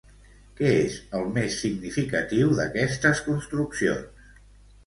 Què és el més significatiu d'aquestes construccions?